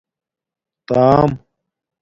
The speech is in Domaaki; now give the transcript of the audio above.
تݳم